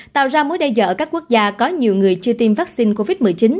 tạo ra mối đe dọa các quốc gia có nhiều người chưa tiêm vaccine